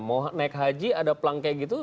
mau naik haji ada pelang kayak gitu